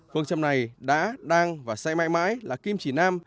phương châm này đã đang và sẽ mãi mãi là kim chỉ nam